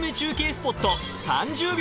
スポット３０秒